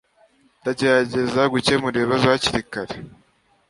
Ndagerageza gukemura ikibazo hakiri kare